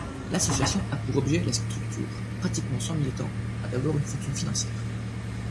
L'association a pour objet La structure, pratiquement sans militant, a d'abord une fonction financière.